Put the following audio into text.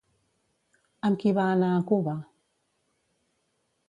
Amb qui va anar a Cuba?